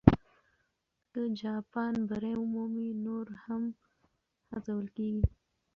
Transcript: که جاپان بری ومومي، نو نور هم هڅول کېږي.